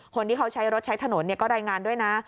คนที่เขาใช้รถใช้ถนนก็รายงานด้วยนะ